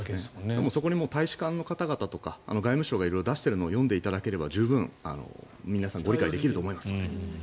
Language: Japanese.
でもそこに大使館の方々とか外務省が出しているのを読めば十分皆さんご理解できると思います。